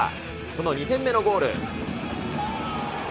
その２点目のゴール。